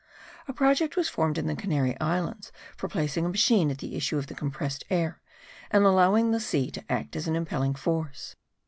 A project was formed at the Canary Islands for placing a machine at the issue of the compressed air and allowing the sea to act as an impelling force.